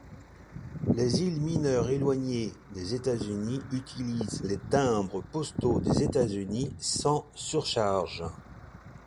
Les îles mineures éloignées des États-Unis utilisent les timbres postaux des États-Unis, sans surcharge.